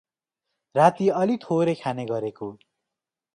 राति अलि थोरै खाने गरेको ।